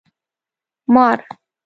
🪱 مار